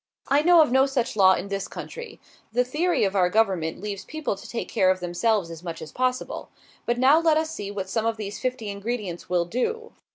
I know of no such law in this country. The theory of our government leaves people to take care of themselves as much as possible. But now let us see what some of these fifty ingredients will do.